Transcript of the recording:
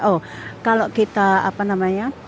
oh kalau kita apa namanya